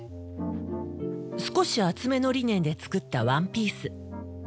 少し厚めのリネンで作ったワンピース。